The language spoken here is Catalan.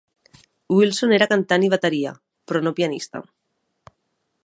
Wilson era cantant i bateria, però no pianista.